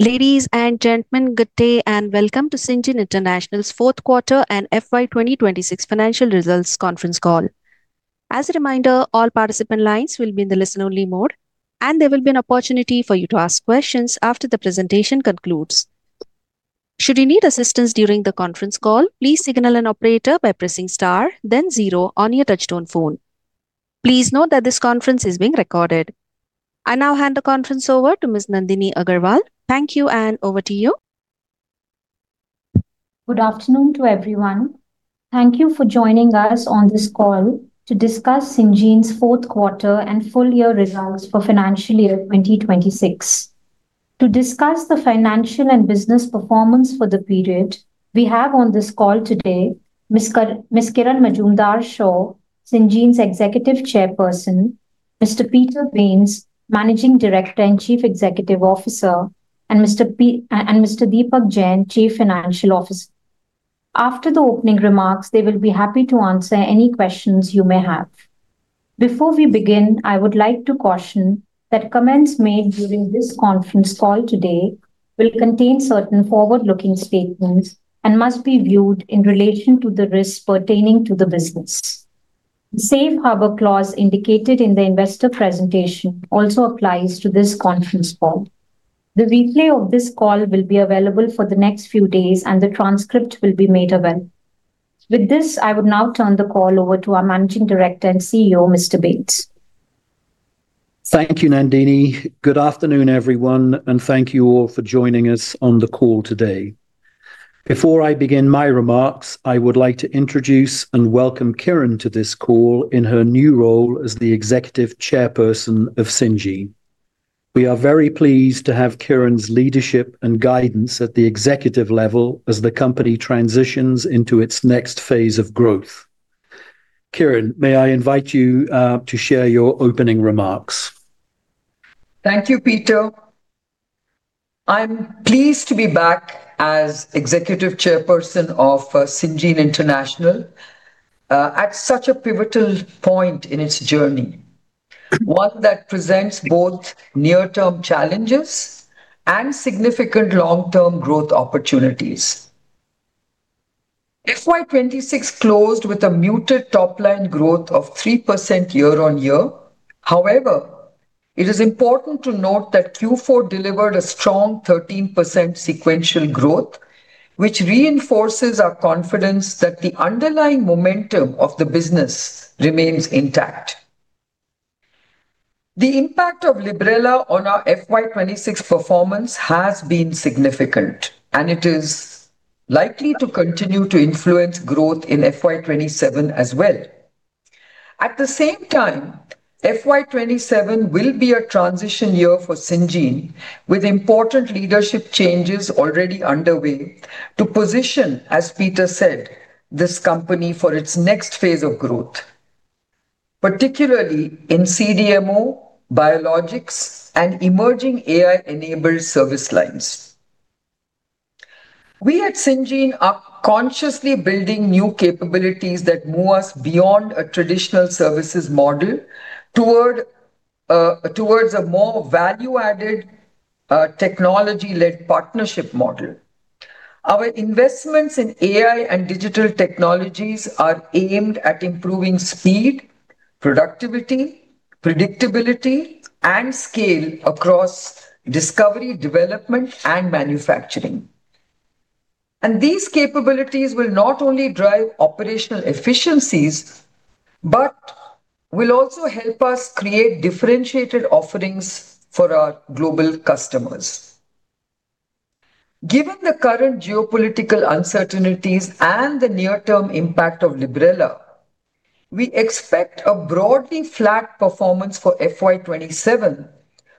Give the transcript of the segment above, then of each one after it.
Ladies and gentlemen, good day and welcome to Syngene International's fourth quarter and FY 2026 financial results conference call. As a reminder, all participant lines will be in the listen only mode, and there will be an opportunity for you to ask questions after the presentation concludes. Should you need assistance during the conference call, please signal an operator by pressing star then zero on your touchtone phone. Please note that this conference is being recorded. I now hand the conference over to Ms. Nandini Agarwal. Thank you, and over to you. Good afternoon to everyone. Thank you for joining us on this call to discuss Syngene's fourth quarter and full year results for financial year 2026. To discuss the financial and business performance for the period, we have on this call today Ms. Kiran Mazumdar-Shaw, Syngene's Executive Chairperson, Mr. Peter Bains, Managing Director and Chief Executive Officer, and Mr. Deepak Jain, Chief Financial Officer. After the opening remarks, they will be happy to answer any questions you may have. Before we begin, I would like to caution that comments made during this conference call today will contain certain forward-looking statements and must be viewed in relation to the risks pertaining to the business. The safe harbor clause indicated in the investor presentation also applies to this conference call. The replay of this call will be available for the next few days, and the transcript will be made available. With this, I would now turn the call over to our Managing Director and Chief Executive Officer, Mr. Bains. Thank you, Nandini. Good afternoon, everyone, and thank you all for joining us on the call today. Before I begin my remarks, I would like to introduce and welcome Kiran to this call in her new role as the Executive Chairperson of Syngene. We are very pleased to have Kiran's leadership and guidance at the executive level as the company transitions into its next phase of growth. Kiran, may I invite you to share your opening remarks? Thank you, Peter. I'm pleased to be back as Executive Chairperson of Syngene International at such a pivotal point in its journey, one that presents both near-term challenges and significant long-term growth opportunities. FY 2026 closed with a muted top line growth of 3% year-on-year. However, it is important to note that Q4 delivered a strong 13% sequential growth, which reinforces our confidence that the underlying momentum of the business remains intact. The impact of Librela on our FY 2026 performance has been significant, and it is likely to continue to influence growth in FY 2027 as well. At the same time, FY 2027 will be a transition year for Syngene, with important leadership changes already underway to position, as Peter said, this company for its next phase of growth, particularly in CDMO, biologics, and emerging AI-enabled service lines. We at Syngene are consciously building new capabilities that move us beyond a traditional services model towards a more value-added, technology-led partnership model. Our investments in AI and digital technologies are aimed at improving speed, productivity, predictability, and scale across discovery, development, and manufacturing. These capabilities will not only drive operational efficiencies but will also help us create differentiated offerings for our global customers. Given the current geopolitical uncertainties and the near-term impact of Librela, we expect a broadly flat performance for FY 2027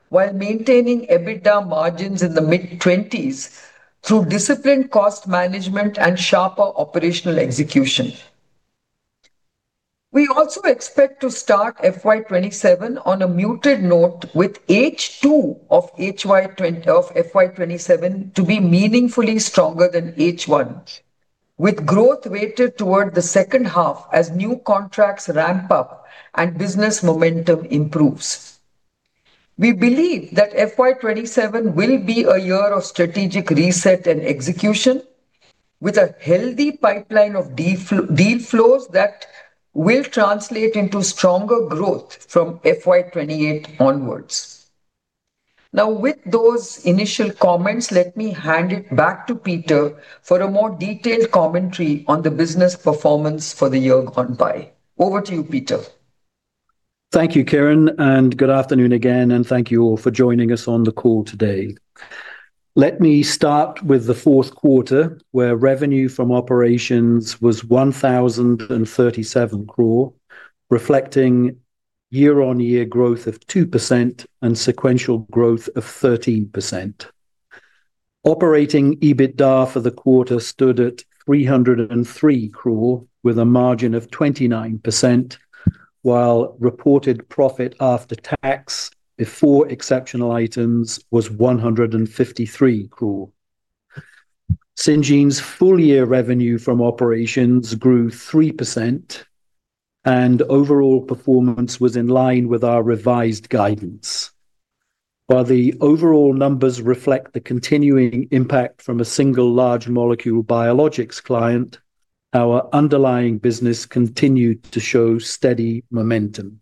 while maintaining EBITDA margins in the mid-twenties through disciplined cost management and sharper operational execution. We also expect to start FY 2027 on a muted note with H2 of FY 2027 to be meaningfully stronger than H1, with growth weighted toward the second half as new contracts ramp up and business momentum improves. We believe that FY 2027 will be a year of strategic reset and execution, with a healthy pipeline of deal flows that will translate into stronger growth from FY 2028 onwards. With those initial comments, let me hand it back to Peter for a more detailed commentary on the business performance for the year gone by. Over to you, Peter. Thank you, Kiran, and good afternoon again, and thank you all for joining us on the call today. Let me start with the fourth quarter, where revenue from operations was 1,037 crore, reflecting year-on-year growth of 2% and sequential growth of 13%. Operating EBITDA for the quarter stood at 303 crore with a margin of 29%, while reported profit after tax before exceptional items was 153 crore. Syngene's full year revenue from operations grew 3%, and overall performance was in line with our revised guidance. While the overall numbers reflect the continuing impact from a single large molecule biologics client, our underlying business continued to show steady momentum.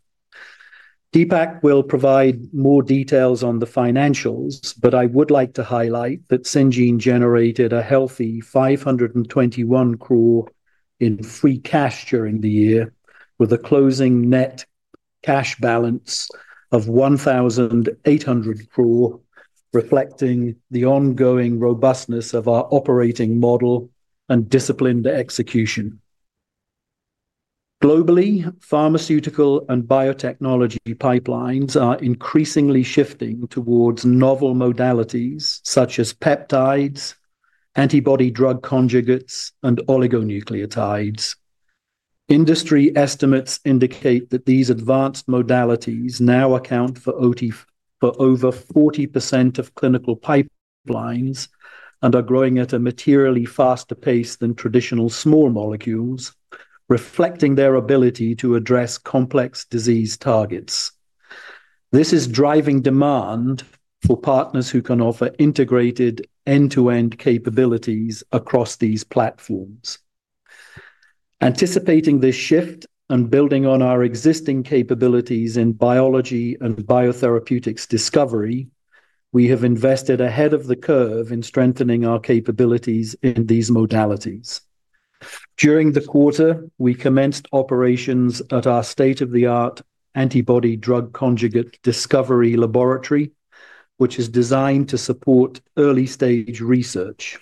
Deepak will provide more details on the financials, but I would like to highlight that Syngene generated a healthy 521 crore in free cash during the year, with a closing net cash balance of 1,800 crore, reflecting the ongoing robustness of our operating model and disciplined execution. Globally, pharmaceutical and biotechnology pipelines are increasingly shifting towards novel modalities such as peptides, antibody-drug conjugates, and oligonucleotides. Industry estimates indicate that these advanced modalities now account for over 40% of clinical pipelines and are growing at a materially faster pace than traditional small molecules, reflecting their ability to address complex disease targets. This is driving demand for partners who can offer integrated end-to-end capabilities across these platforms. Anticipating this shift and building on our existing capabilities in biology and biotherapeutics discovery, we have invested ahead of the curve in strengthening our capabilities in these modalities. During the quarter, we commenced operations at our state-of-the-art antibody-drug conjugate discovery laboratory, which is designed to support early-stage research.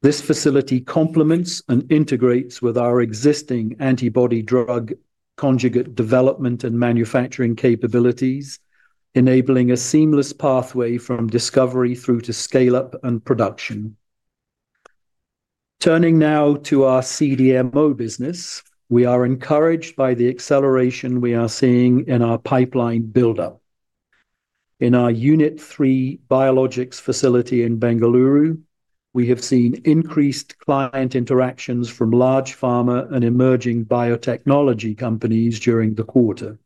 This facility complements and integrates with our existing antibody-drug conjugate development and manufacturing capabilities, enabling a seamless pathway from discovery through to scale-up and production. Turning now to our CDMO business, we are encouraged by the acceleration we are seeing in our pipeline build-up. In our Unit three biologics facility in Bengaluru, we have seen increased client interactions from large pharma and emerging biotechnology companies during the quarter.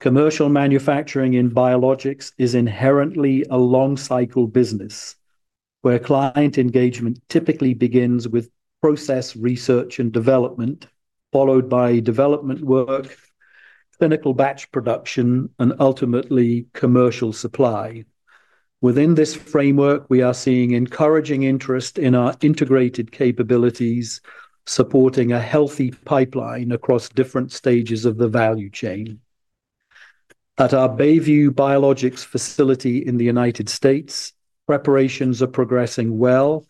Commercial manufacturing in biologics is inherently a long cycle business, where client engagement typically begins with process research and development, followed by development work, clinical batch production, and ultimately commercial supply. Within this framework, we are seeing encouraging interest in our integrated capabilities, supporting a healthy pipeline across different stages of the value chain. At our Bayview facility in the U.S., preparations are progressing well,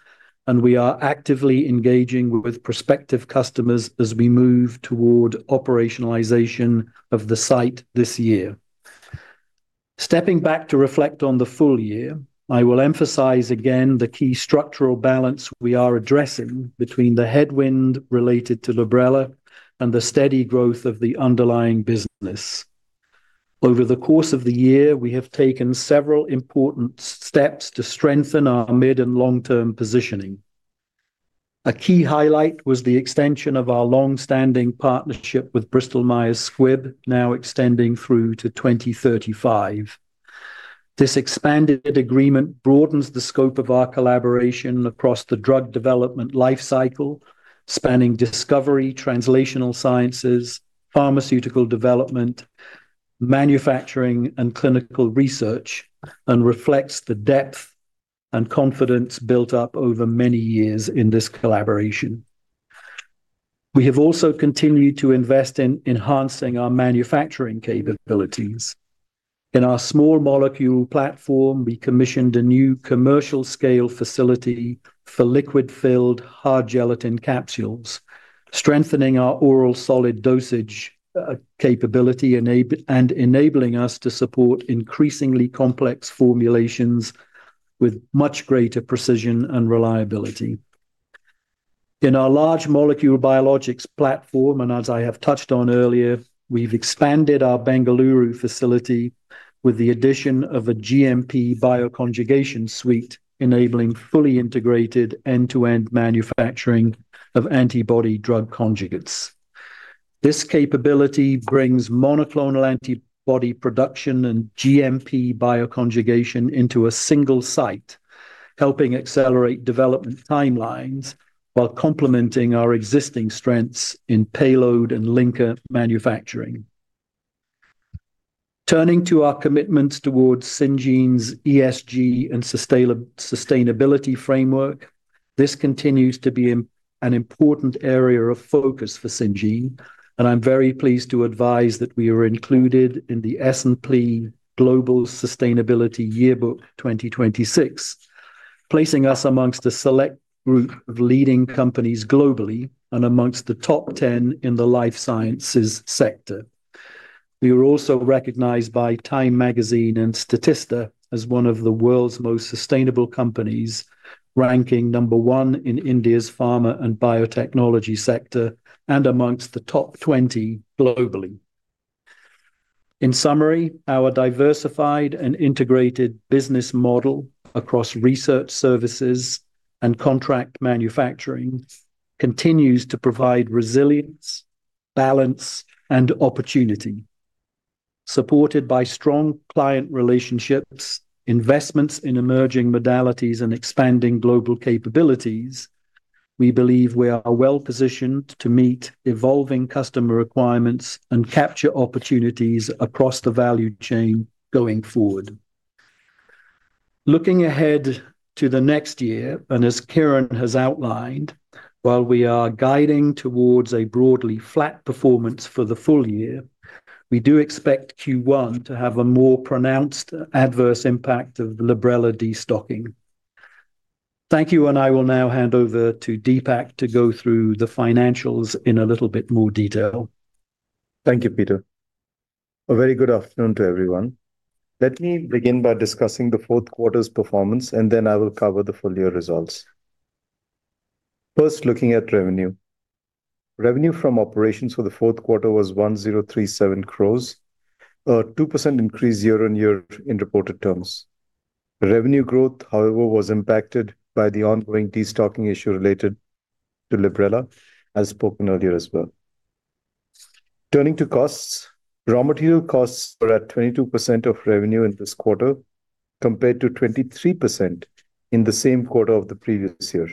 and we are actively engaging with prospective customers as we move toward operationalization of the site this year. Stepping back to reflect on the full year, I will emphasize again the key structural balance we are addressing between the headwind related to Librela and the steady growth of the underlying business. Over the course of the year, we have taken several important steps to strengthen our mid and long-term positioning. A key highlight was the extension of our long-standing partnership with Bristol Myers Squibb, now extending through to 2035. This expanded agreement broadens the scope of our collaboration across the drug development life cycle, spanning discovery, translational sciences, pharmaceutical development, manufacturing, and clinical research, and reflects the depth and confidence built up over many years in this collaboration. We have also continued to invest in enhancing our manufacturing capabilities. In our small molecule platform, we commissioned a new commercial scale facility for liquid-filled hard gelatin capsules, strengthening our oral solid dosage capability and enabling us to support increasingly complex formulations with much greater precision and reliability. In our large molecule biologics platform, as I have touched on earlier, we've expanded our Bengaluru facility with the addition of a GMP bioconjugation suite, enabling fully integrated end-to-end manufacturing of antibody drug conjugates. This capability brings monoclonal antibody production and GMP bioconjugation into a single site, helping accelerate development timelines while complementing our existing strengths in payload and linker manufacturing. Turning to our commitments towards Syngene's ESG and sustainability framework, this continues to be an important area of focus for Syngene, and I'm very pleased to advise that we are included in the S&P Global Sustainability Yearbook 2026, placing us amongst a select group of leading companies globally and amongst the top 10 in the life sciences sector. We were also recognized by TIME Magazine and Statista as one of the world's most sustainable companies, ranking number one in India's pharma and biotechnology sector and amongst the top 20 globally. In summary, our diversified and integrated business model across research services and contract manufacturing continues to provide resilience, balance, and opportunity. Supported by strong client relationships, investments in emerging modalities, and expanding global capabilities, we believe we are well-positioned to meet evolving customer requirements and capture opportunities across the value chain going forward. Looking ahead to the next year, and as Kiran has outlined, while we are guiding towards a broadly flat performance for the full year, we do expect Q1 to have a more pronounced adverse impact of Librela destocking. Thank you, and I will now hand over to Deepak to go through the financials in a little bit more detail. Thank you, Peter. A very good afternoon to everyone. Let me begin by discussing the fourth quarter's performance, and then I will cover the full-year results. First, looking at revenue. Revenue from operations for the fourth quarter was 1,037 crores, a 2% increase year-on-year in reported terms. Revenue growth, however, was impacted by the ongoing destocking issue related to Librela, as spoken earlier as well. Turning to costs, raw material costs were at 22% of revenue in this quarter, compared to 23% in the same quarter of the previous year,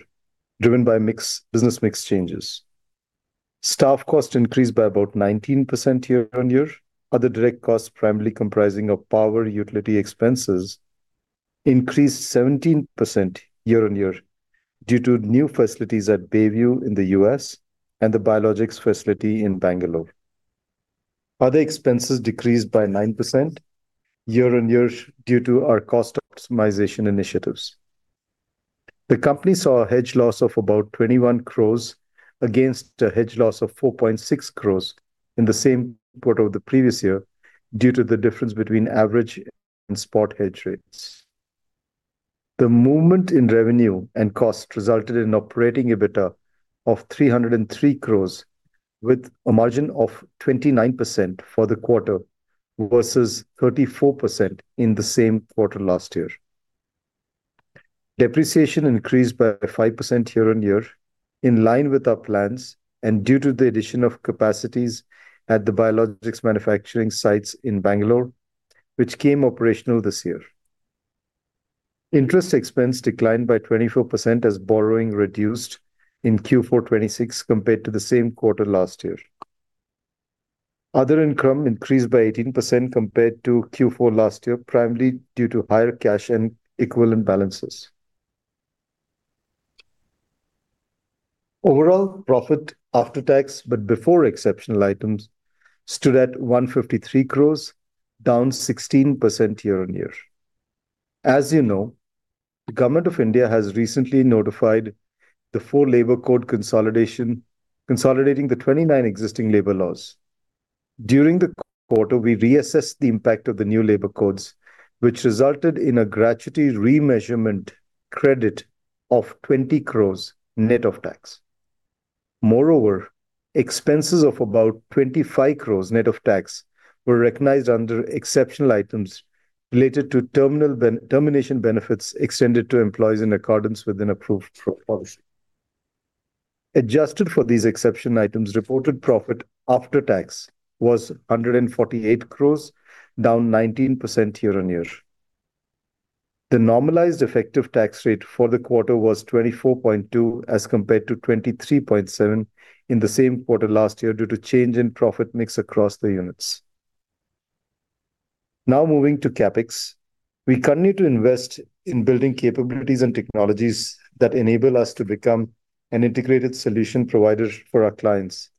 driven by mix, business mix changes. Staff costs increased by about 19% year-on-year. Other direct costs primarily comprising of power utility expenses increased 17% year-on-year due to new facilities at Bayview in the U.S. and the biologics facility in Bengaluru. Other expenses decreased by 9% year-on-year due to our cost optimization initiatives. The company saw a hedge loss of about 21 crores against a hedge loss of 4.6 crores in the same quarter of the previous year due to the difference between average and spot hedge rates. The movement in revenue and cost resulted in operating EBITDA of 303 crores, with a margin of 29% for the quarter versus 34% in the same quarter last year. Depreciation increased by 5% year-on-year in line with our plans and due to the addition of capacities at the biologics manufacturing sites in Bangalore, which came operational this year. Interest expense declined by 24% as borrowing reduced in Q4 2026 compared to the same quarter last year. Other income increased by 18% compared to Q4 last year, primarily due to higher cash and equivalent balances. Overall, profit after tax but before exceptional items stood at 153 crores, down 16% year-on-year. As you know, the government of India has recently notified the Four Labour Codes consolidation, consolidating the 29 existing labor laws. During the quarter, we reassessed the impact of the new Labour Codes, which resulted in a gratuity remeasurement credit of 20 crores, net of tax. Moreover, expenses of about 25 crores net of tax were recognized under exceptional items related to termination benefits extended to employees in accordance with an approved policy. Adjusted for these exceptional items, reported profit after tax was 148 crores, down 19% year-on-year. The normalized effective tax rate for the quarter was 24.2% as compared to 23.7% in the same quarter last year due to change in profit mix across the units. Moving to CapEx. We continue to invest in building capabilities and technologies that enable us to become an integrated solution provider for our clients.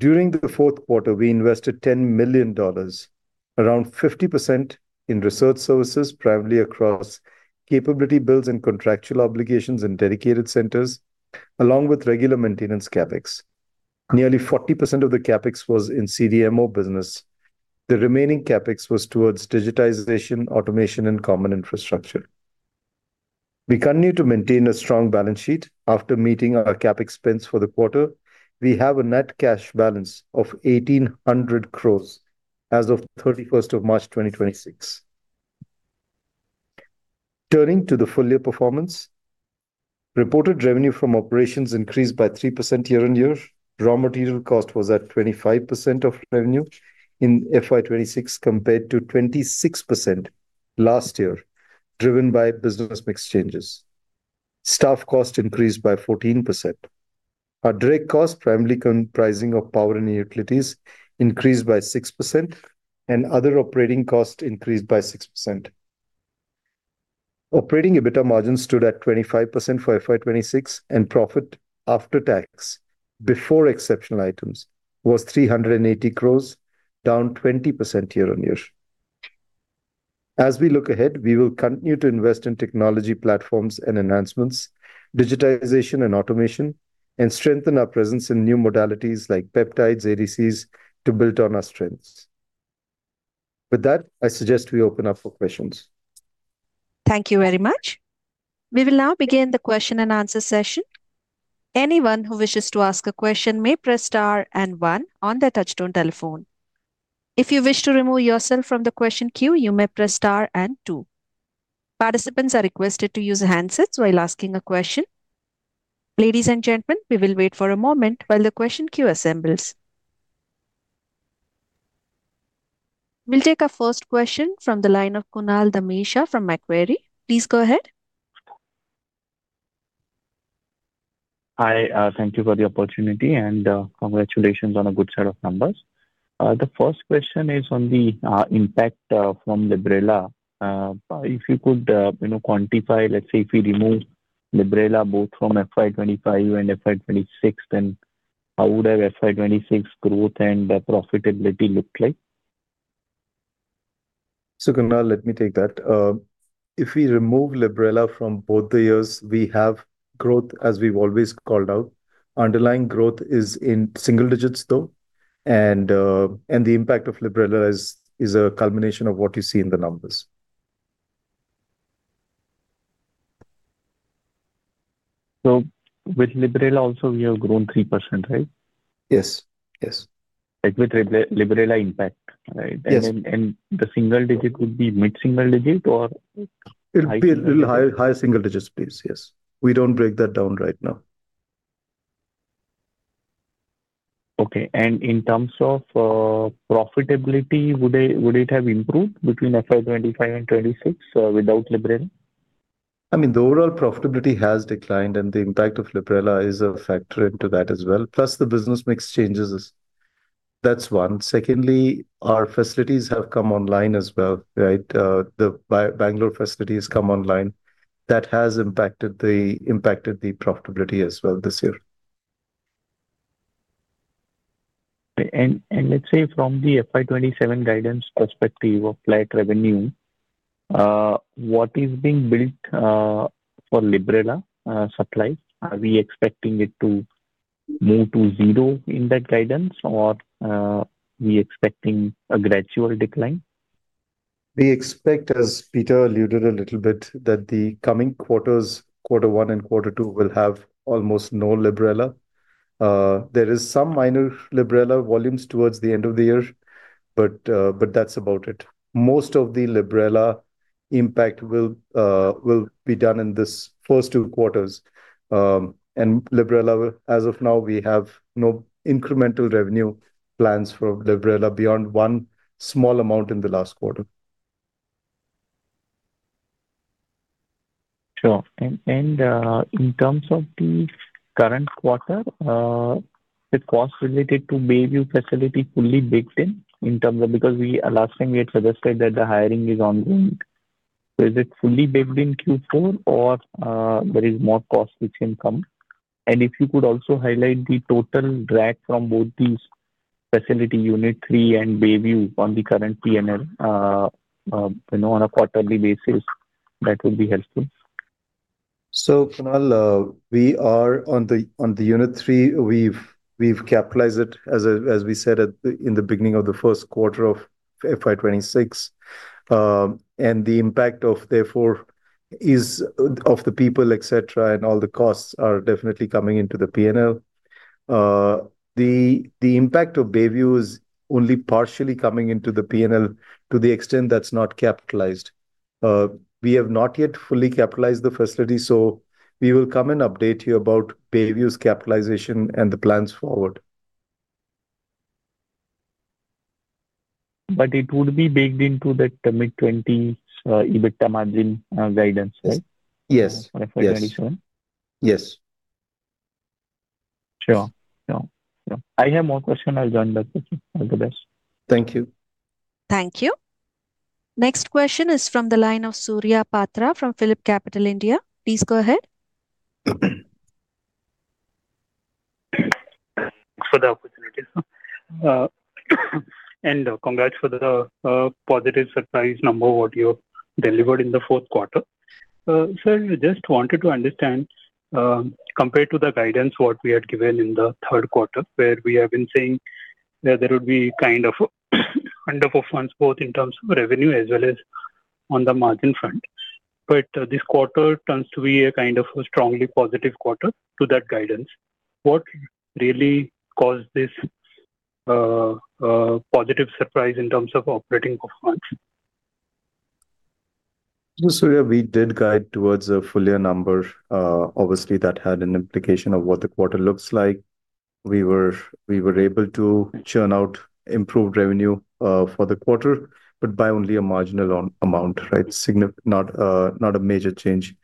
During the fourth quarter, we invested $10 million, around 50% in research services, primarily across capability builds and contractual obligations and dedicated centers, along with regular maintenance CapEx. Nearly 40% of the CapEx was in CDMO business. The remaining CapEx was towards digitization, automation, and common infrastructure. We continue to maintain a strong balance sheet. After meeting our CapEx spends for the quarter, we have a net cash balance of 1,800 crores as of 31st of March 2026. Turning to the full year performance. Reported revenue from operations increased by 3% year-on-year. Raw material cost was at 25% of revenue in FY 2026 compared to 26% last year, driven by business mix changes. Staff cost increased by 14%. Our direct costs, primarily comprising of power and utilities, increased by 6%. Other operating costs increased by 6%. Operating EBITDA margin stood at 25% for FY 2026. Profit after tax, before exceptional items, was 380 crores, down 20% year-on-year. As we look ahead, we will continue to invest in technology platforms and enhancements, digitization and automation, and strengthen our presence in new modalities like peptides, ADCs to build on our strengths. With that, I suggest we open up for questions. Thank you very much. We will now begin the question-and-answer session. Anyone who wishes to ask a question may press star and one on their touchtone telephone. If you wish to remove yourself from the question queue, you may press star and two. Participants are requested to use handsets while asking a question. Ladies and gentlemen, we will wait for a moment while the question queue assembles. We will take our first question from the line of Kunal Dhamesha from Macquarie. Please go ahead. Hi, thank you for the opportunity and congratulations on a good set of numbers. The first question is on the impact from Librela. If you could, you know, quantify, let's say, if we remove Librela both from FY 2025 and FY 2026, then how would our FY 2026 growth and profitability look like? Kunal, let me take that. If we remove Librela from both the years, we have growth as we've always called out. Underlying growth is in single digits though, and the impact of Librela is a culmination of what you see in the numbers. With Librela also we have grown 3%, right? Yes. Yes. Like with Librela impact, right? Yes. The single digit would be mid single digit or high single digit? It'll be a little higher single digits please. Yes. We don't break that down right now. Okay. In terms of profitability, would it have improved between FY 2025 and 2026 without Librela? I mean, the overall profitability has declined, and the impact of Librela is a factor into that as well, plus the business mix changes. That's one. Secondly, our facilities have come online as well, right? The Bangalore facility has come online. That has impacted the profitability as well this year. Okay. Let's say from the FY 2027 guidance perspective of flat revenue, what is being built for Librela supply? Are we expecting it to move to zero in that guidance or we expecting a gradual decline? We expect, as Peter alluded a little bit, that the coming quarters, Q1 and Q2, will have almost no Librela. There is some minor Librela volumes towards the end of the year, but that's about it. Most of the Librela impact will be done in this first two quarters. Librela, as of now, we have no incremental revenue plans for Librela beyond 0ne small amount in the last quarter. Sure. In terms of the current quarter, with costs related to Bayview facility fully baked in. Because we last time had suggested that the hiring is ongoing. Is it fully baked in Q4 or there is more cost which can come? If you could also highlight the total drag from both these facility, unit three and Bayview, on the current P&L, you know, on a quarterly basis, that would be helpful. Kunal, we are on the unit three, we've capitalized it as we said at the beginning of the first quarter of FY 2026. The impact of therefore is of the people, etc, and all the costs are definitely coming into the P&L. The impact of Bayview is only partially coming into the P&L to the extent that's not capitalized. We have not yet fully capitalized the facility, so we will come and update you about Bayview's capitalization and the plans forward. It would be baked into the mid 20s, EBITDA margin, guidance, right? Yes. Yes. For FY 2027. Yes. Sure. Yeah. Yeah. I have more question. I'll join back with you. All the best. Thank you. Thank you. Next question is from the line of Surya Patra from PhillipCapital India. Please go ahead. Thanks for the opportunity, sir. Congrats for the positive surprise number what you delivered in the fourth quarter. Sir, we just wanted to understand, compared to the guidance what we had given in the third quarter, where we have been saying that there would be kind of underperformance both in terms of revenue as well as on the margin front. This quarter turns to be a kind of a strongly positive quarter to that guidance. What really caused this positive surprise in terms of operating performance? Surya, we did guide towards a full year number. Obviously, that had an implication of what the quarter looks like. We were able to churn out improved revenue for the quarter, but by only a marginal amount, right? Not a major change.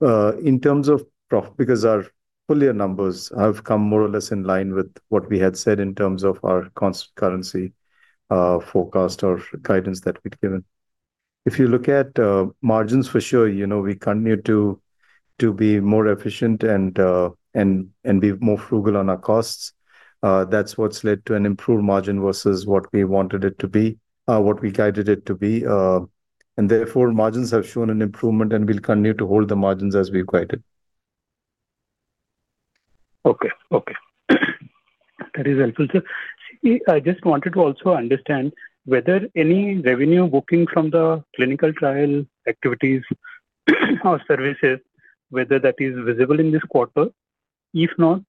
Because our full year numbers have come more or less in line with what we had said in terms of our currency forecast or guidance that we'd given. If you look at margins, for sure, you know, we continue to be more efficient and be more frugal on our costs. That's what's led to an improved margin versus what we wanted it to be, what we guided it to be. Therefore, margins have shown an improvement, and we'll continue to hold the margins as we've guided. Okay. Okay. That is helpful, sir. See, I just wanted to also understand whether any revenue booking from the clinical trial activities or services, whether that is visible in this quarter. If not,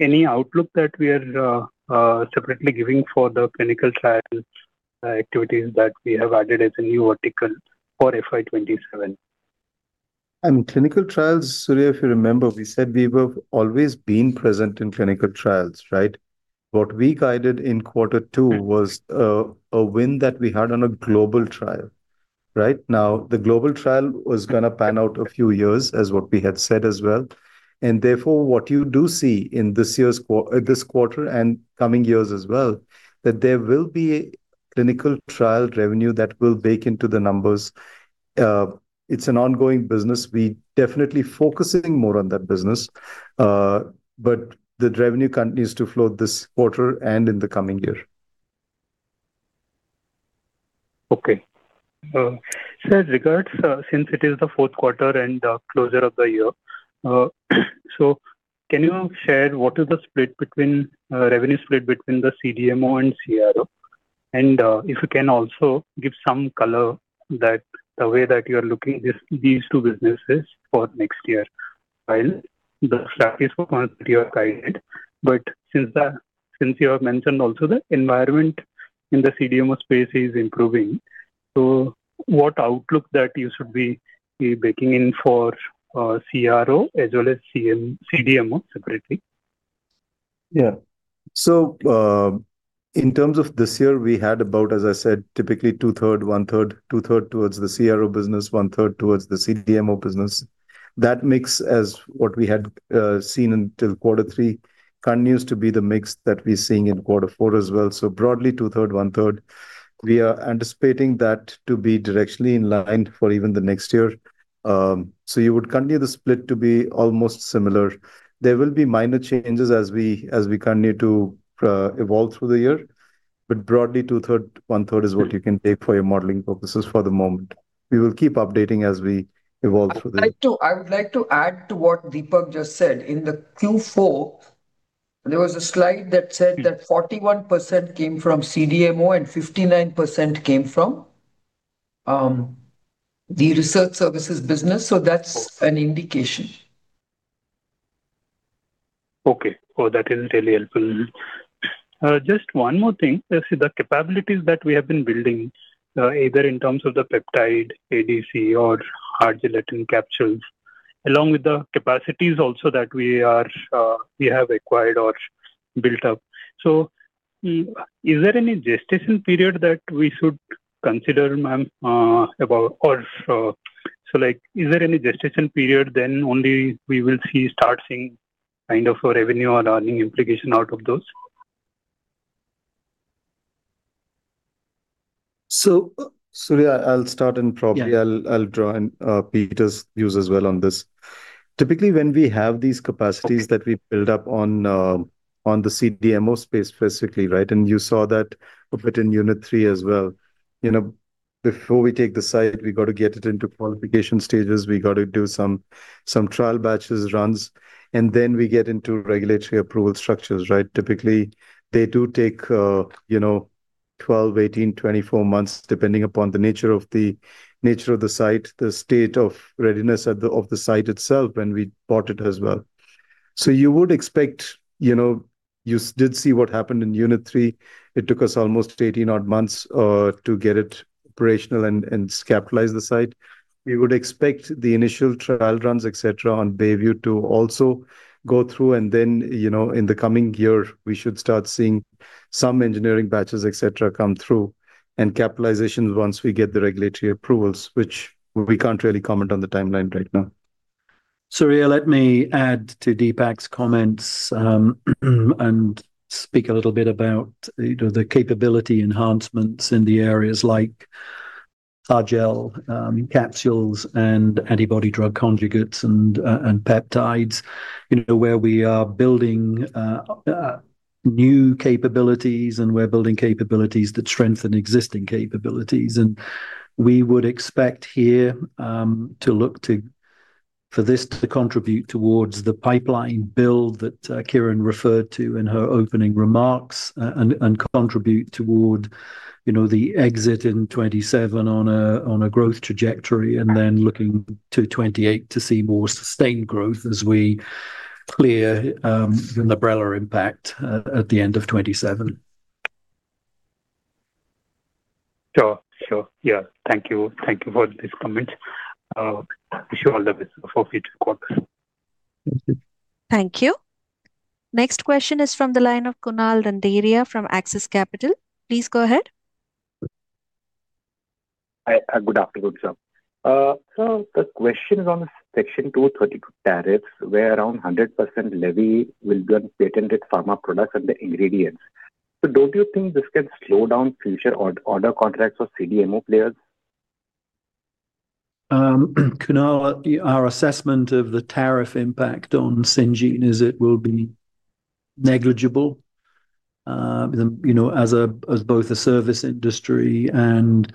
any outlook that we are separately giving for the clinical trials activities that we have added as a new vertical for FY 2027. Clinical trials, Surya, if you remember, we said we have always been present in clinical trials, right? What we guided in quarter two was a win that we had on a global trial. Right now, the global trial was gonna pan out a few years as what we had said as well. Therefore, what you do see in this year's quarter and coming years as well, that there will be clinical trial revenue that will bake into the numbers. It's an ongoing business. We definitely focusing more on that business. The revenue continues to flow this quarter and in the coming year. Okay. Sir, regards, since it is the fourth quarter and closure of the year, so can you share what is the split between revenue split between the CDMO and CRO? If you can also give some color that the way that you're looking this, these two businesses for next year. While the strategy is what you have guided, but since the, since you have mentioned also the environment in the CDMO space is improving, so what outlook that you should be baking in for CRO as well as CDMO separately? Yeah. In terms of this year we had about, as I said, typically 2/3, 1/3. 2/3 towards the CRO business, 1/3 towards the CDMO business. That mix, as what we had seen until Q3, continues to be the mix that we're seeing in Q4 as well. Broadly, 2/3, 1/3. We are anticipating that to be directionally in line for even the next year. You would continue the split to be almost similar. There will be minor changes as we continue to evolve through the year. Broadly, 2/3, 1/3 is what you can take for your modeling purposes for the moment. We will keep updating as we evolve through the. I would like to add to what Deepak just said. In the Q4, there was a slide that said that 41% came from CDMO and 59% came from the research services business. That's an indication. Okay. Oh, that is really helpful. Just one more thing. See the capabilities that we have been building, either in terms of the peptide ADC or hard gelatin capsules, along with the capacities also that we have acquired or built up. Is there any gestation period that we should consider, ma'am, about or, like, is there any gestation period then only we will see, start seeing kind of a revenue or earning implication out of those? Surya, I'll start and. Yeah. I'll draw in Peter's views as well on this. Typically, when we have these capacities that we build up on the CDMO space physically, right? You saw that a bit in unit three as well. You know, before we take the site, we gotta get it into qualification stages. We gotta do some trial batches runs, and then we get into regulatory approval structures, right? Typically, they do take, you know, 12, 18, 24 months, depending upon the nature of the site, the state of readiness of the site itself, and we bought it as well. You would expect, you know. You did see what happened in unit three. It took us almost 18 odd months to get it operational and capitalize the site. We would expect the initial trial runs, et cetera, on Bayview to also go through and then, you know, in the coming year, we should start seeing some engineering batches, et cetera, come through. Capitalizations once we get the regulatory approvals, which we can't really comment on the timeline right now. Surya, let me add to Deepak's comments, and speak a little bit about, you know, the capability enhancements in the areas like hard gel capsules and antibody-drug conjugates and peptides. You know, where we are building new capabilities and we're building capabilities that strengthen existing capabilities. We would expect here to look to, for this to contribute towards the pipeline build that Kiran referred to in her opening remarks and contribute toward, you know, the exit in 2027 on a, on a growth trajectory, and then looking to 2028 to see more sustained growth as we clear the Librela impact at the end of 2027. Sure. Sure. Yeah. Thank you. Thank you for these comments. Wish you all the best for future quarters. Thank you. Thank you. Next question is from the line of Kunal Randeria from Axis Capital. Please go ahead. Hi. Good afternoon, sir. The question is on Section 232 tariffs, where around 100% levy will be on patented pharma products and the ingredients. Don't you think this can slow down future order contracts for CDMO players? Kunal, our assessment of the tariff impact on Syngene is it will be negligible, you know, as both a service industry and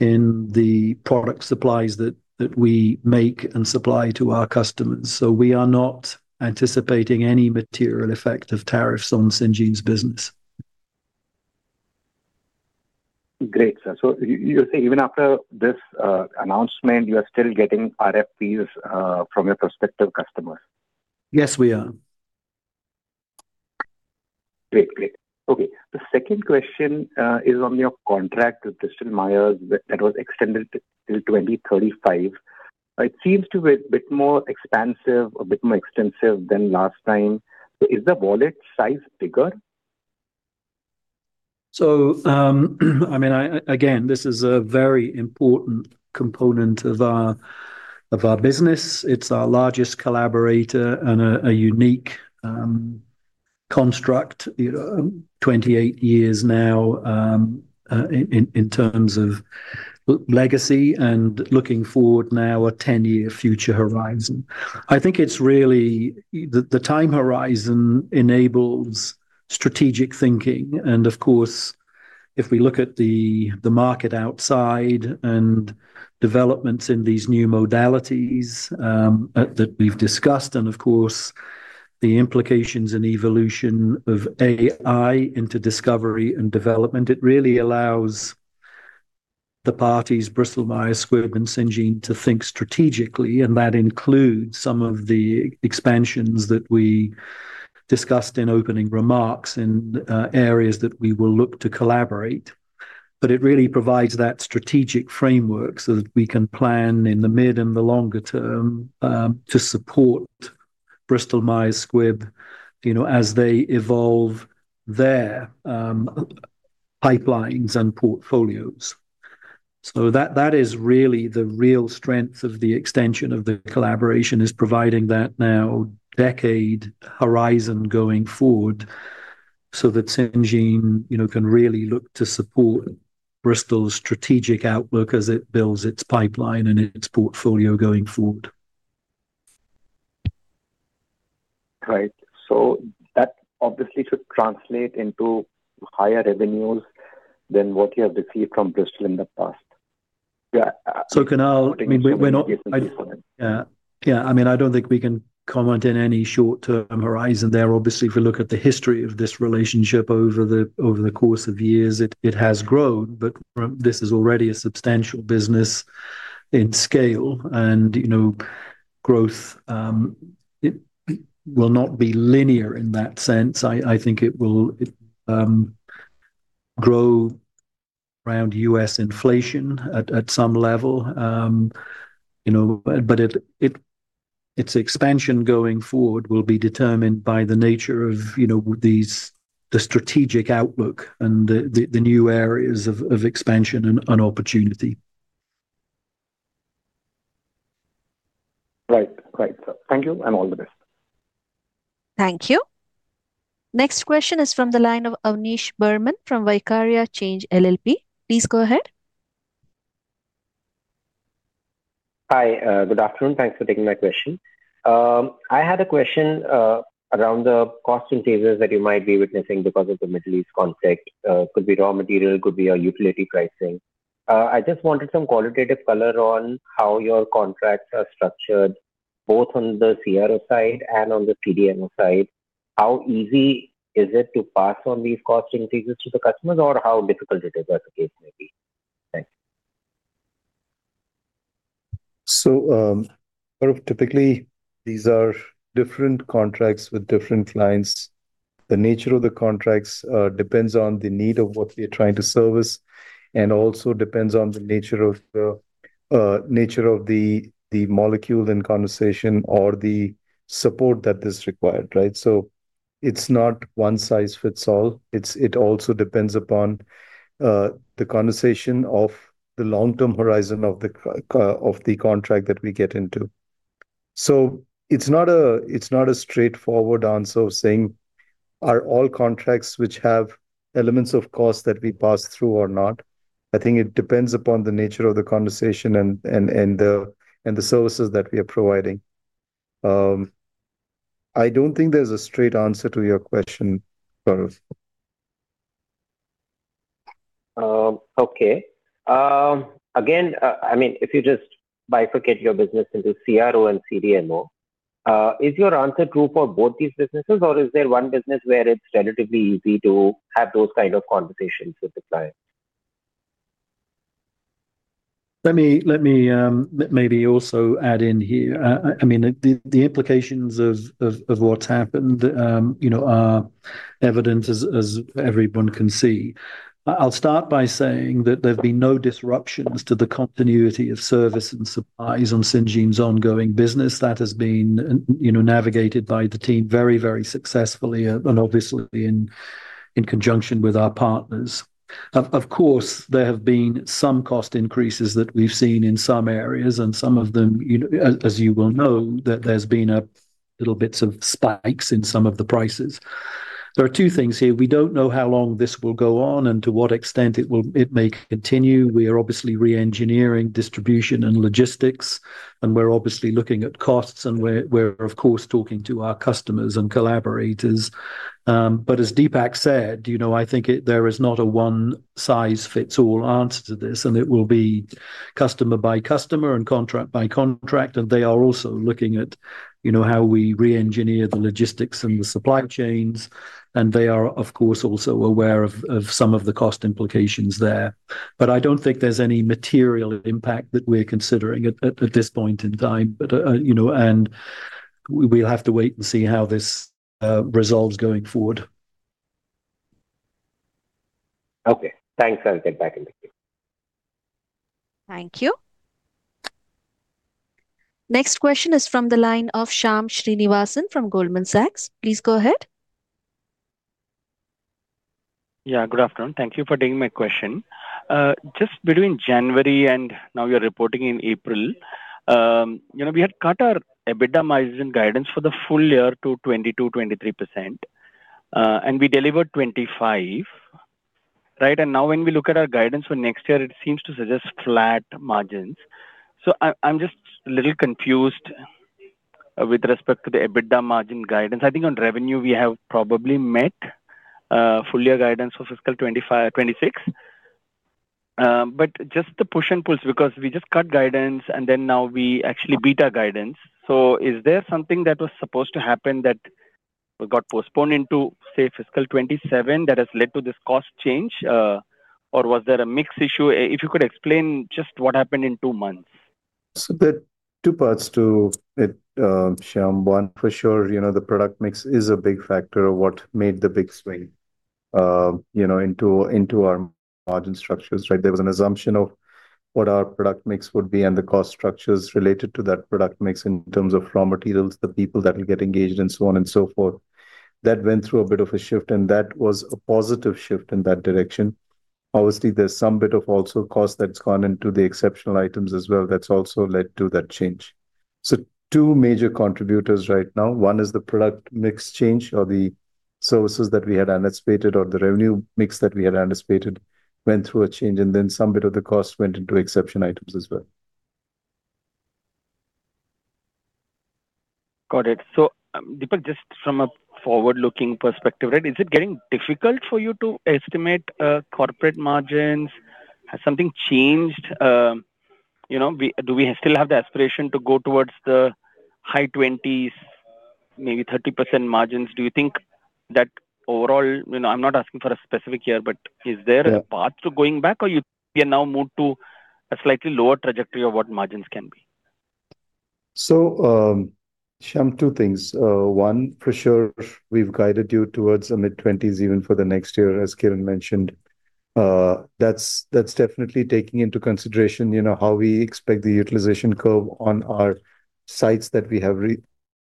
in the product supplies that we make and supply to our customers. We are not anticipating any material effect of tariffs on Syngene's business. Great, sir. You're saying even after this announcement, you are still getting RFPs from your prospective customers? Yes, we are. Great. Great. Okay. The second question is on your contract with Bristol Myers that was extended to till 2035. It seems to be a bit more expansive, a bit more extensive than last time. Is the wallet size bigger? I mean, again, this is a very important component of our, of our business. It's our largest collaborator and a unique construct, you know, 28 years now in terms of legacy and looking forward now a 10-year future horizon. I think it's really. The time horizon enables strategic thinking and, of course, if we look at the market outside and developments in these new modalities that we've discussed and, of course, the implications and evolution of AI into discovery and development, it really allows the parties, Bristol Myers Squibb and Syngene, to think strategically, and that includes some of the expansions that we discussed in opening remarks in areas that we will look to collaborate. It really provides that strategic framework so that we can plan in the mid and the longer term, to support Bristol Myers Squibb, you know, as they evolve their pipelines and portfolios. That, that is really the real strength of the extension of the collaboration, is providing that now decade horizon going forward so that Syngene, you know, can really look to support Bristol's strategic outlook as it builds its pipeline and its portfolio going forward. Right. That obviously should translate into higher revenues than what you have received from Bristol in the past. Yeah. So can I'll. According to some indications for that. I mean, Yeah. Yeah. I mean, I don't think we can comment in any short-term horizon there. Obviously, if we look at the history of this relationship over the course of years, it has grown, but this is already a substantial business in scale and, you know, growth, it will not be linear in that sense. I think it will grow around U.S. inflation at some level. You know, it, its expansion going forward will be determined by the nature of, you know, these, the strategic outlook and the new areas of expansion and opportunity. Right. Great. Thank you, and all the best. Thank you. Next question is from the line of Avnish Burman from Vaikarya Change LLP. Please go ahead. Hi. Good afternoon. Thanks for taking my question. I had a question around the cost increases that you might be witnessing because of the Middle East conflict. Could be raw material, could be utility pricing. I just wanted some qualitative color on how your contracts are structured, both on the CRO side and on the CDMO side. How easy is it to pass on these cost increases to the customers or how difficult it is, as the case may be? Thank you. Sort of typically, these are different contracts with different clients. The nature of the contracts depends on the need of what we are trying to service, and also depends on the nature of the molecule in conversation or the support that is required, right? It's not one size fits all. It also depends upon the conversation of the long-term horizon of the contract that we get into. It's not a, it's not a straightforward answer of saying, are all contracts which have elements of cost that we pass through or not. I think it depends upon the nature of the conversation and the services that we are providing. I don't think there's a straight answer to your question, Avnish. Okay. Again, I mean, if you just bifurcate your business into CRO and CDMO, is your answer true for both these businesses or is there one business where it's relatively easy to have those kind of conversations with the clients? Let me maybe also add in here. I mean, the implications of what's happened, you know, are evident as everyone can see. I'll start by saying that there've been no disruptions to the continuity of service and supplies on Syngene's ongoing business. That has been, you know, navigated by the team very successfully, and obviously in conjunction with our partners. Of course, there have been some cost increases that we've seen in some areas, and some of them, you know, as you well know, that there's been a little bits of spikes in some of the prices. There are two things here. We don't know how long this will go on and to what extent it may continue. We are obviously re-engineering distribution and logistics, and we're obviously looking at costs, and we're of course talking to our customers and collaborators. As Deepak said, you know, I think there is not a one-size-fits-all answer to this, and it will be customer by customer and contract by contract. They are also looking at, you know, how we re-engineer the logistics and the supply chains, and they are, of course, also aware of some of the cost implications there. I don't think there's any material impact that we're considering at this point in time. You know, we'll have to wait and see how this resolves going forward. Okay. Thanks. I'll get back in the queue. Thank you. Next question is from the line of Shyam Srinivasan from Goldman Sachs. Please go ahead. Yeah, good afternoon. Thank you for taking my question. Just between January and now you're reporting in April, you know, we had cut our EBITDA margin guidance for the full year to 22%-23%. We delivered 25%, right? Now when we look at our guidance for next year, it seems to suggest flat margins. I'm just a little confused with respect to the EBITDA margin guidance. I think on revenue we have probably met full year guidance for fiscal 2025, 2026. Just the push and pulls because we just cut guidance and then now we actually beat our guidance. Is there something that was supposed to happen that got postponed into, say, fiscal 2027 that has led to this cost change? Was there a mix issue? If you could explain just what happened in two months. There are two parts to it, Shyam. One, for sure, you know, the product mix is a big factor of what made the big swing, you know, into our margin structures, right? There was an assumption of what our product mix would be and the cost structures related to that product mix in terms of raw materials, the people that will get engaged and so on and so forth. That went through a bit of a shift, and that was a positive shift in that direction. Obviously, there's some bit of also cost that's gone into the exceptional items as well that's also led to that change. Two major contributors right now. One is the product mix change or the services that we had anticipated or the revenue mix that we had anticipated went through a change and some bit of the cost went into exception items as well. Got it. Deepak, just from a forward-looking perspective, right, is it getting difficult for you to estimate corporate margins? Has something changed? You know, do we still have the aspiration to go towards the high 20s, maybe 30% margins? Do you think that overall. You know, I'm not asking for a specific year, is there a path to going back or you now moved to a slightly lower trajectory of what margins can be? Shyam, two things. One, for sure, we've guided you towards the mid-20s even for the next year, as Kiran mentioned. That's definitely taking into consideration, you know, how we expect the utilization curve on our sites that we have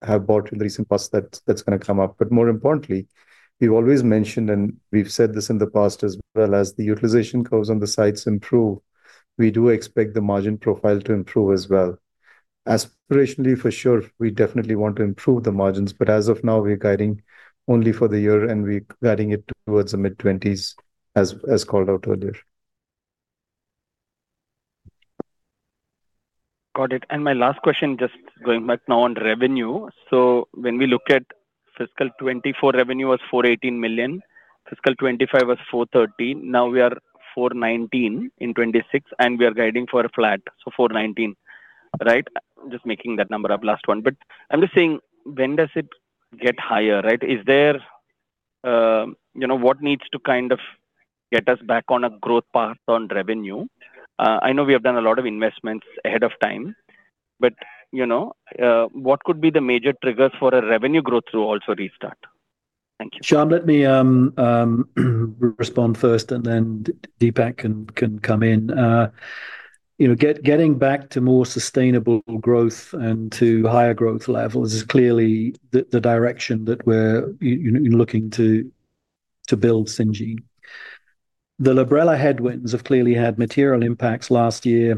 bought in recent past that's going to come up. More importantly, we've always mentioned, and we've said this in the past as well, as the utilization curves on the sites improve, we do expect the margin profile to improve as well. Aspirationally, for sure, we definitely want to improve the margins, as of now, we're guiding only for the year and we're guiding it towards the mid-20s as called out earlier. Got it. My last question, just going back now on revenue. When we look at FY 2024 revenue was 418 million, FY 2025 was 430, now we are 419 in 2026, and we are guiding for a flat, so 419. Right? Just making that number up, last one. I'm just saying, when does it get higher, right? Is there, you know, what needs to kind of get us back on a growth path on revenue? I know we have done a lot of investments ahead of time, but, you know, what could be the major triggers for a revenue growth to also restart? Thank you. Shyam, let me respond first and then Deepak can come in. You know, getting back to more sustainable growth and to higher growth levels is clearly the direction that we're looking to build Syngene. The Librela headwinds have clearly had material impacts last year,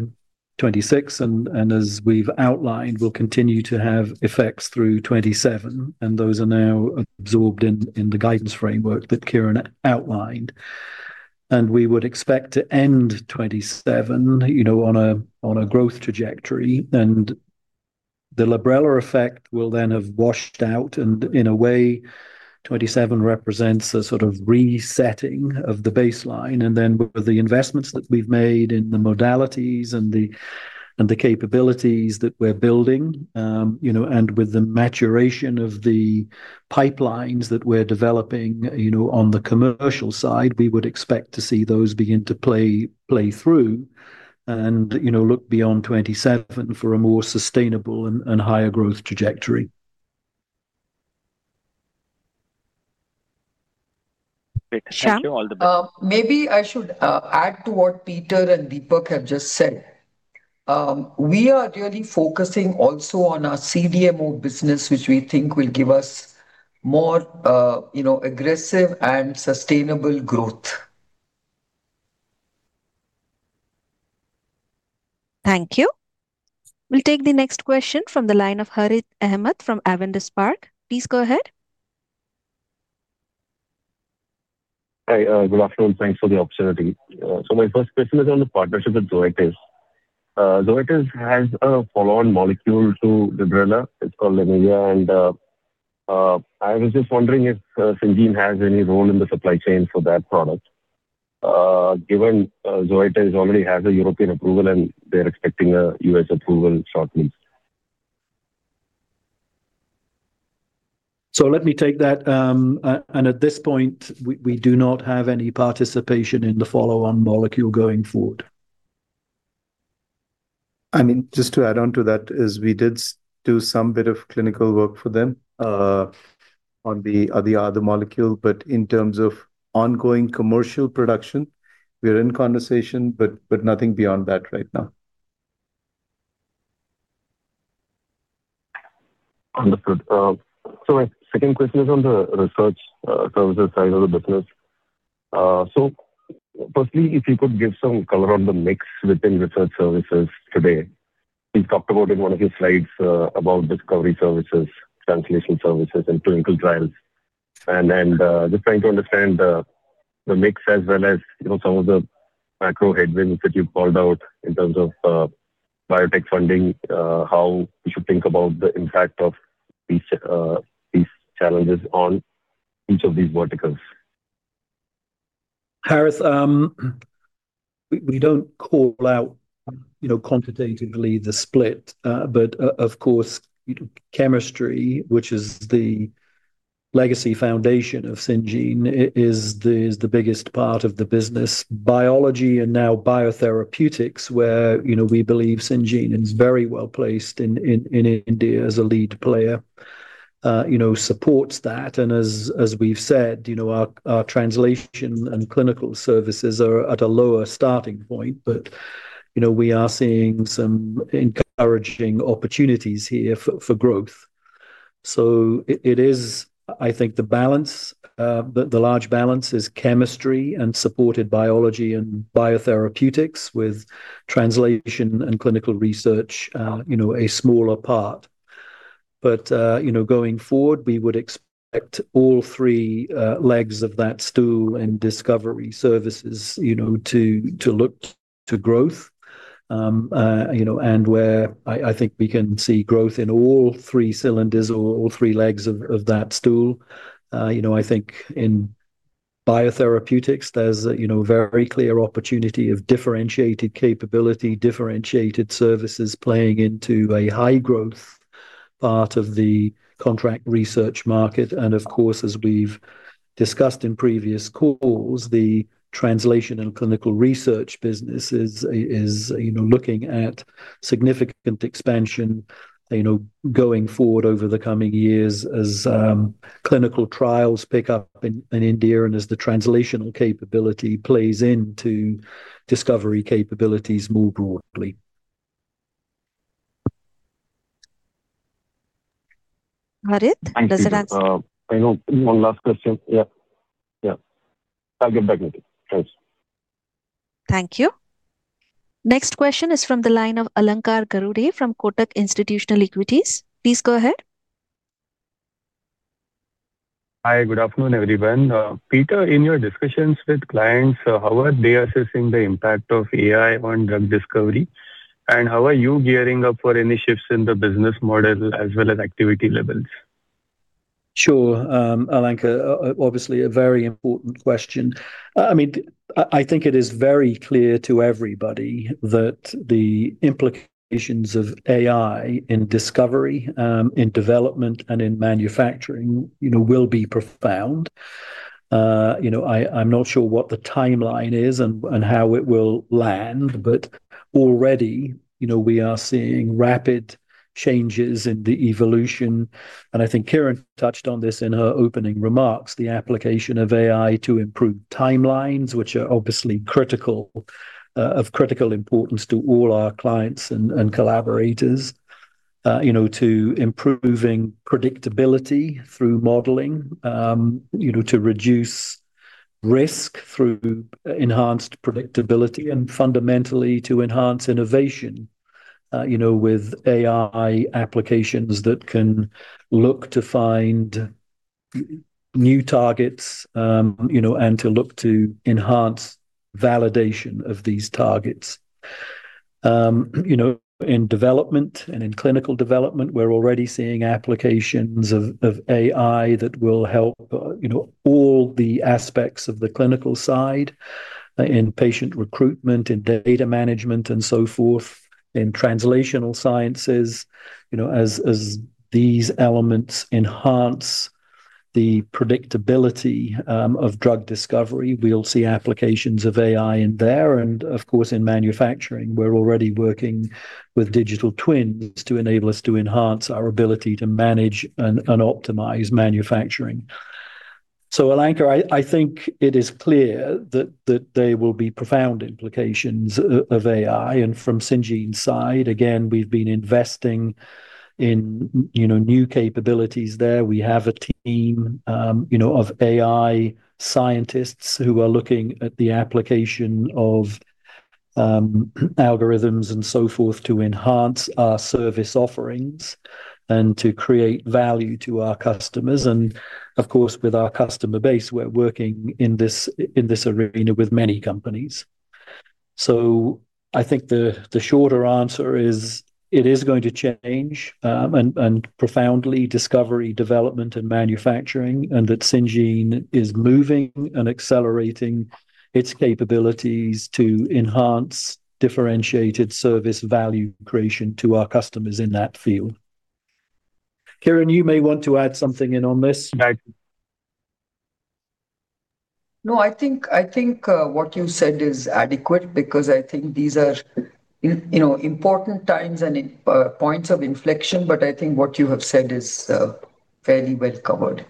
2026, and as we've outlined, will continue to have effects through 2027, and those are now absorbed in the guidance framework that Kiran outlined. We would expect to end 2027, you know, on a growth trajectory, and the Librela effect will then have washed out and in a way, 2027 represents a sort of resetting of the baseline. With the investments that we've made in the modalities and the, and the capabilities that we're building, you know, and with the maturation of the pipelines that we're developing, you know, on the commercial side, we would expect to see those begin to play through and, you know, look beyond 2027 for a more sustainable and higher growth trajectory. Great. Thank you. All the best. Shyam. Maybe I should add to what Peter and Deepak have just said. We are really focusing also on our CDMO business, which we think will give us more, you know, aggressive and sustainable growth. Thank you. We'll take the next question from the line of Harith Ahamed from Avendus Spark. Please go ahead. Hi, good afternoon. Thanks for the opportunity. My first question is on the partnership with Zoetis. Zoetis has a follow-on molecule to Librela. It's called Lenivia. I was just wondering if Syngene has any role in the supply chain for that product, given Zoetis already has a European approval and they're expecting a U.S. approval shortly. Let me take that. At this point we do not have any participation in the follow-on molecule going forward. I mean, just to add on to that is we did do some bit of clinical work for them, on the other molecule. In terms of ongoing commercial production, we're in conversation, but nothing beyond that right now. Understood. My second question is on the research services side of the business. Firstly, if you could give some color on the mix within research services today. You talked about in one of your slides about discovery services, translation services, and clinical trials. Then, just trying to understand the mix as well as, you know, some of the macro headwinds that you called out in terms of biotech funding, how we should think about the impact of these challenges on each of these verticals Harith, we don't call out, you know, quantitatively the split. Of course, chemistry, which is the legacy foundation of Syngene, is the biggest part of the business. Biology and now biotherapeutics where, you know, we believe Syngene is very well-placed in India as a lead player, you know, supports that. As we've said, you know, our translation and clinical services are at a lower starting point. You know, we are seeing some encouraging opportunities here for growth. It is, I think the balance, the large balance is chemistry and supported biology and biotherapeutics with translation and clinical research, you know, a smaller part. You know, going forward, we would expect all three legs of that stool and discovery services, you know, to look to growth. You know, where I think we can see growth in all three cylinders or all three legs of that stool. You know, I think in biotherapeutics there's a, you know, very clear opportunity of differentiated capability, differentiated services playing into a high growth part of the contract research market. Of course, as we've discussed in previous calls, the translation and clinical research business is, you know, looking at significant expansion, you know, going forward over the coming years as clinical trials pick up in India and as the translational capability plays into discovery capabilities more broadly. Harith, does that answer. Thank you. I know one last question. Yeah. I'll get back with you. Thanks. Thank you. Next question is from the line of Alankar Garude from Kotak Institutional Equities. Please go ahead. Hi, good afternoon, everyone. Peter, in your discussions with clients, how are they assessing the impact of AI on drug discovery? How are you gearing up for any shifts in the business model as well as activity levels? Sure, Alankar. Obviously a very important question. I mean, I think it is very clear to everybody that the implications of AI in discovery, in development and in manufacturing, you know, will be profound. You know, I'm not sure what the timeline is and how it will land, but already, you know, we are seeing rapid changes in the evolution. I think Kiran touched on this in her opening remarks, the application of AI to improve timelines, which are obviously critical, of critical importance to all our clients and collaborators. You know, to improving predictability through modeling. You know, to reduce risk through enhanced predictability and fundamentally to enhance innovation, you know, with AI applications that can look to find new targets, you know, and to look to enhance validation of these targets. You know, in development and in clinical development, we're already seeing applications of AI that will help, you know, all the aspects of the clinical side in patient recruitment, in data management, and so forth. In translational sciences, you know, as these elements enhance the predictability of drug discovery, we'll see applications of AI in there. Of course, in manufacturing, we're already working with digital twins to enable us to enhance our ability to manage and optimize manufacturing. Alankar, I think it is clear that there will be profound implications of AI. From Syngene's side, again, we've been investing in, you know, new capabilities there. We have a team, you know, of AI scientists who are looking at the application of algorithms and so forth to enhance our service offerings and to create value to our customers. With our customer base, we're working in this, in this arena with many companies. The shorter answer is it is going to change, and profoundly discovery, development, and manufacturing, and that Syngene is moving and accelerating its capabilities to enhance differentiated service value creation to our customers in that field. Kiran, you may want to add something in on this. No, I think, what you said is adequate because I think these are, you know, important times and in, points of inflection, but I think what you have said is, fairly well covered.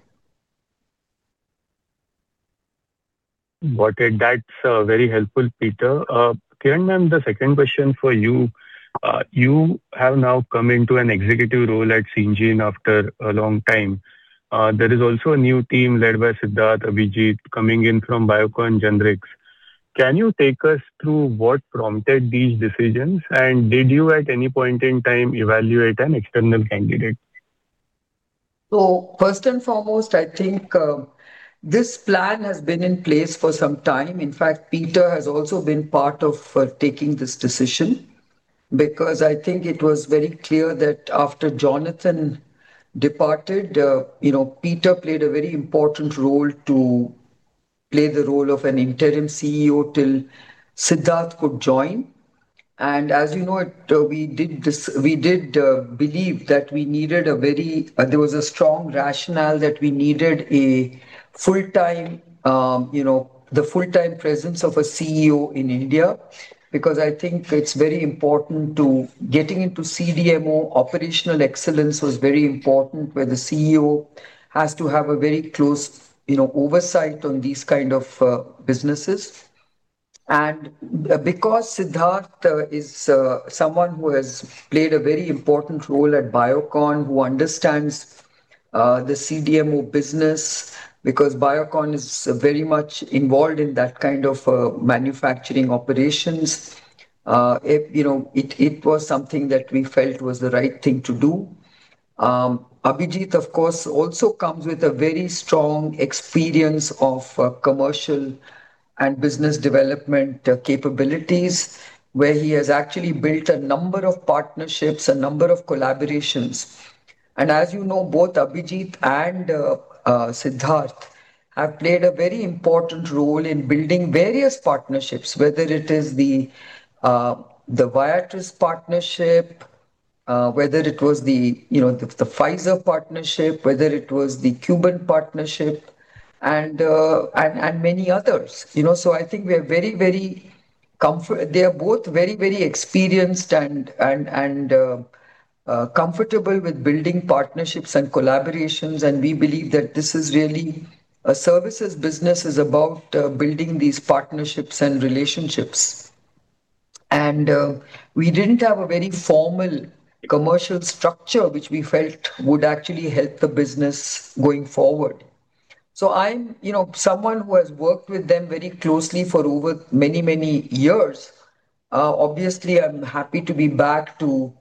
Got it. That's very helpful, Peter. Kiran, ma'am, the second question for you. You have now come into an executive role at Syngene after a long time. There is also a new team led by Siddharth, Abhijit, coming in from Biocon Biologics. Can you take us through what prompted these decisions, and did you at any point in time evaluate an external candidate? First and foremost, I think, this plan has been in place for some time. In fact, Peter has also been part of taking this decision because I think it was very clear that after Jonathan departed, you know, Peter played a very important role to play the role of an interim CEO till Siddharth could join. As you know it, we did believe that we needed a very, there was a strong rationale that we needed a full-time, you know, the full-time presence of a CEO in India because I think it's very important to getting into CDMO operational excellence was very important, where the CEO has to have a very close, you know, oversight on these kind of businesses. Because Siddharth is someone who has played a very important role at Biocon, who understands the CDMO business because Biocon is very much involved in that kind of manufacturing operations, it was something that we felt was the right thing to do. Abhijit, of course, also comes with a very strong experience of commercial and business development capabilities, where he has actually built a number of partnerships, a number of collaborations. As you know, both Abhijit and Siddharth have played a very important role in building various partnerships, whether it is the Viatris partnership, whether it was the Pfizer partnership, whether it was the Cuban partnership and many others. I think we are very, very comfort. They are both very, very experienced and comfortable with building partnerships and collaborations. We believe that this is really a services business. It's about building these partnerships and relationships. We didn't have a very formal commercial structure which we felt would actually help the business going forward. I'm, you know, someone who has worked with them very closely for over many, many years. Obviously, I'm happy to be back to,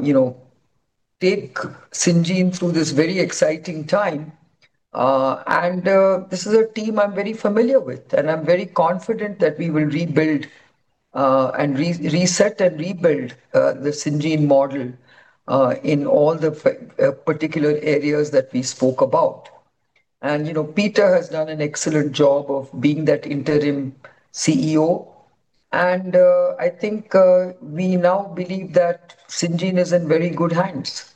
you know, take Syngene through this very exciting time. This is a team I'm very familiar with. I'm very confident that we will rebuild and re-reset and rebuild the Syngene model in all the particular areas that we spoke about. You know, Peter has done an excellent job of being that interim CEO, I think, we now believe that Syngene is in very good hands.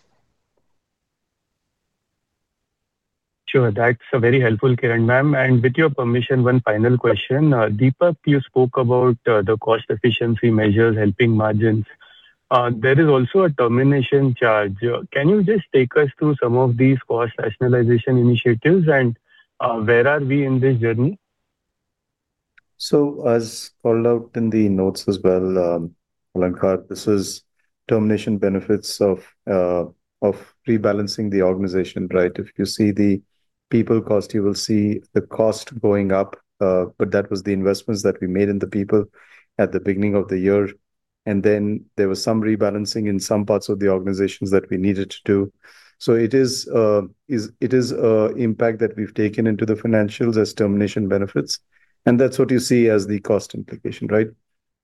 Sure. That's very helpful, Kiran, ma'am. With your permission, one final question. Deepak, you spoke about the cost efficiency measures helping margins. There is also a termination charge. Can you just take us through some of these cost rationalization initiatives and where are we in this journey? As called out in the notes as well, Alankar, this is termination benefits of rebalancing the organization, right? If you see the people cost, you will see the cost going up, but that was the investments that we made in the people at the beginning of the year. There was some rebalancing in some parts of the organizations that we needed to do. It is a impact that we've taken into the financials as termination benefits, and that's what you see as the cost implication, right?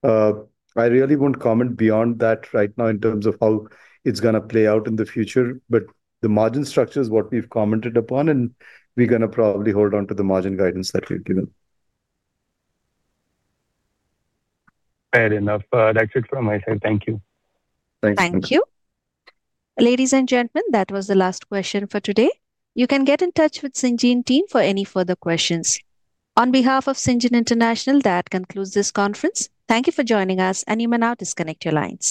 I really won't comment beyond that right now in terms of how it's gonna play out in the future. The margin structure is what we've commented upon, and we're gonna probably hold on to the margin guidance that we've given. Fair enough. That's it from my side. Thank you. Thanks you. Thank you. Ladies and gentlemen, that was the last question for today. You can get in touch with Syngene team for any further questions. On behalf of Syngene International, that concludes this conference. Thank you for joining us and you may now disconnect your lines.